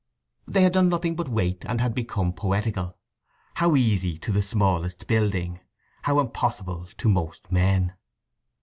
They had done nothing but wait, and had become poetical. How easy to the smallest building; how impossible to most men.